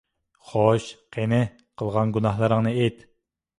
خوش، قېنى، قىلغان گۇناھلىرىڭنى ئېيت!